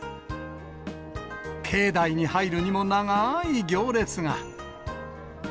境内に入るにも、長ーい行列が。